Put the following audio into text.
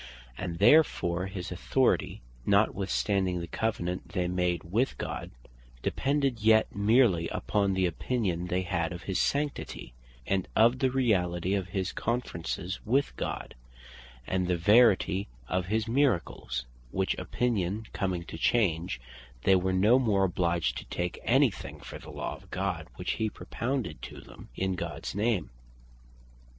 And therefore his authority (notwithstanding the Covenant they made with God) depended yet merely upon the opinion they had of his Sanctity, and of the reality of his Conferences with God, and the verity of his Miracles; which opinion coming to change, they were no more obliged to take any thing for the law of God, which he propounded to them in Gods name.